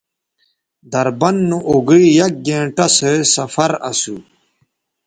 دربند نو اوگئ یک گھنٹہ سو سفر اسو